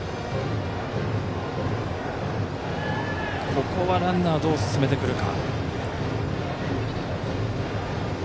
ここはランナー、どう進めるか。